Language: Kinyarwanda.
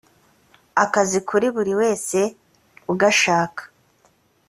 akazi kuri buri wese ugashaka